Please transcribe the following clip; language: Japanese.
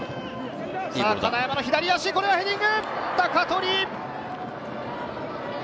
金山の左足、これはヘディング！